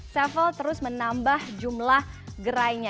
sevel terus menambah jumlah gerainya